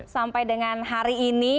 sampai dengan hari ini